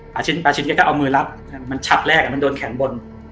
ปลาชิ้นปลาชิ้นเนี้ยก็เอามือลับมันฉับแรกอ่ะมันโดนแขนบน